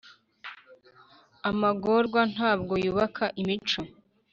amagorwa ntabwo yubaka imico,